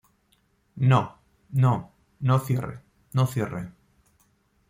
no, no, no cierre, no cierre.